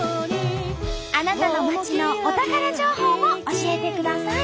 あなたの町のお宝情報も教えてください。